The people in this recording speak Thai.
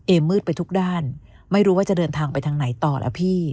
มืดไปทุกด้านไม่รู้ว่าจะเดินทางไปทางไหนต่อแล้วพี่